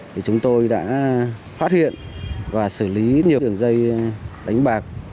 thì chúng tôi đã phát hiện và xử lý nhiều đường dây đánh bạc